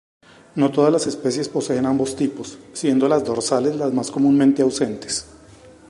No todas las especies poseen ambos tipos, siendo las dorsales las más comúnmente ausentes.